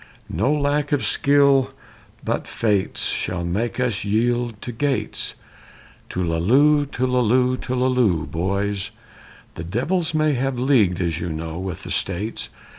No lack of skill, but fates, Shall make us yield to Gates, Tullalo, tullalo, tullalo, boys! The devils may have leagued, as you know, with the States.